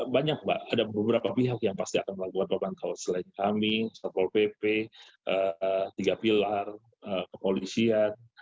banyak mbak ada beberapa pihak yang pasti akan melakukan pemantau selain kami satpol pp tiga pilar kepolisian